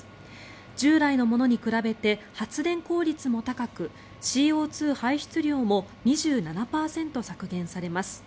従来のものに比べて発電効率も高くＣＯ２排出量も２７％削減されます。